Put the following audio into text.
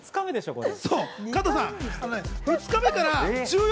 これ。